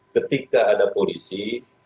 ketika ada polisi